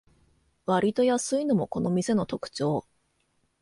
わりと安いのもこの店の特長